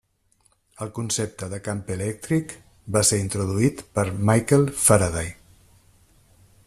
El concepte de camp elèctric va ser introduït per Michael Faraday.